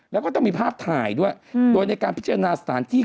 แล้วก็ต้องมีภาพถ่ายด้วยโดยในการพิจารณาสถานที่